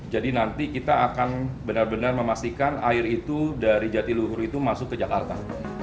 jadi nanti kita akan benar benar memastikan air itu dari jatiluhur itu masuk ke jakarta